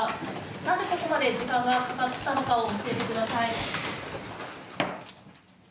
なぜここまで時間がかかったのか教えてください。